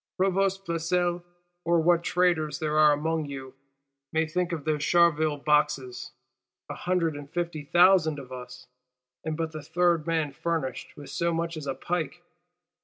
Provost Flesselles, or what traitors there are among you, may think of those Charleville Boxes. A hundred and fifty thousand of us; and but the third man furnished with so much as a pike!